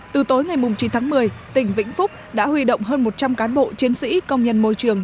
từ tối ngày chín tháng một mươi tỉnh vĩnh phúc đã huy động hơn một trăm linh cán bộ chiến sĩ công nhân môi trường